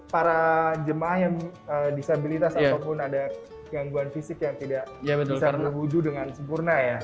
para jemaah yang disabilitas ataupun ada gangguan fisik yang tidak bisa terwujud dengan sempurna ya